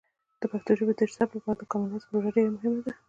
د پښتو ژبې د ثبت لپاره د کامن وایس پروژه ډیر مهمه ده.